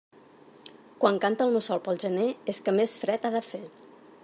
Quan canta el mussol pel gener, és que més fred ha de fer.